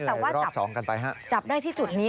แต่ว่าจับได้ที่จุดนี้